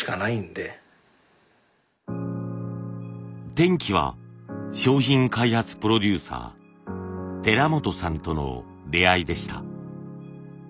転機は商品開発プロデューサー寺本さんとの出会いでした。